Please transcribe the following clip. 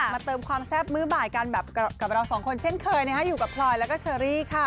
เติมความแซ่บมื้อบ่ายกันแบบกับเราสองคนเช่นเคยอยู่กับพลอยแล้วก็เชอรี่ค่ะ